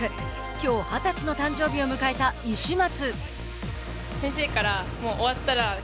きょう２０歳の誕生日を迎えた石松。